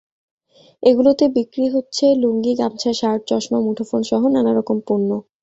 এগুলোতে বিক্রি হচ্ছে লুঙ্গি, গামছা, শার্ট, চশমা, মুঠোফোনসহ নানা রকম পণ্য।